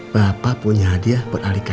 bapak punya hadiah buat alika